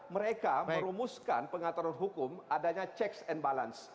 mereka merumuskan pengaturan hukum adanya checks and balance